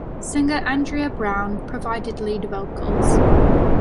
Singer Andrea Brown provided lead vocals.